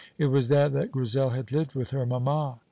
It was there that Grizel had lived with her mamma.